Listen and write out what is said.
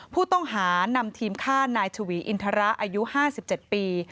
ผู้ต้องหานำทีมฆ่านายชวีอินทระอายุ๕๗ปี